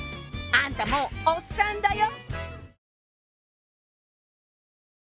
あんたもうおっさんだよ！